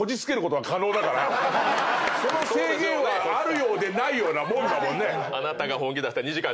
その制限はあるようでないようなもんだもんね。